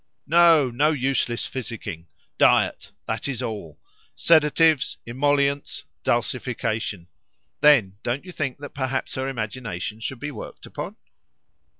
No; no useless physicking! Diet, that is all; sedatives, emollients, dulcification. Then, don't you think that perhaps her imagination should be worked upon?"